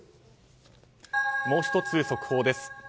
もう１つ、速報です。